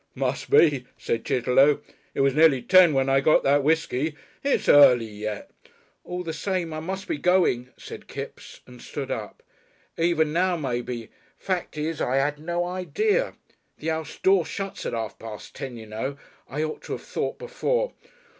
"Must be," said Chitterlow. "It was nearly ten when I got that whiskey. It's early yet " "All the same I must be going," said Kipps, and stood up. "Even now maybe. Fact is I 'ad no idea. The 'ouse door shuts at 'arf past ten, you know. I ought to 'ave thought before."